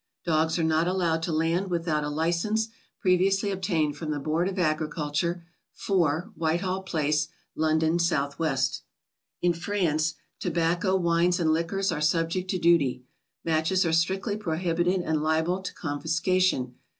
Dogs are not allowed to land without a li cense previously obtained from the B oard of Agriculture, 4, Whitehall Place, London, S. W. In France, tobacco, wines and liquors are subject to duty. Matches are strictly prohibited and lialble to confisca tion.